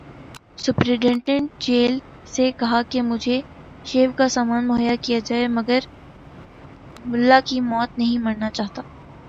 Superintendent jail سے کہا کہ مجھے شیو کا سامان مہیا کیا جائے، میں ملا کی موت نہیں مرنا چاہتا۔